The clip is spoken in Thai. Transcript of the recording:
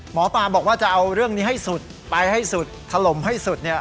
หมอปลาบอกว่าจะเอาเรื่องนี้ให้สุดไปให้สุดถล่มให้สุดเนี่ย